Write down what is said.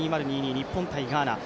日本×ガーナ